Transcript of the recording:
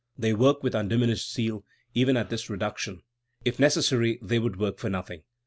They work with undiminished zeal, even at this reduction. If necessary, they would work for nothing.